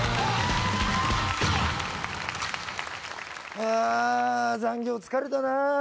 ああー残業疲れたな。